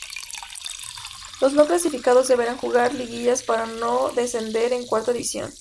Los no clasificados deberán jugar Liguillas para no descender a Cuarta División.